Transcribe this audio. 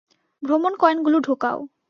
ভ্রমণ কয়েনগুলো ঢোকাও।